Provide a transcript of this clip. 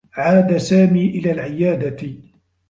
عاد سامي إلى العيادة.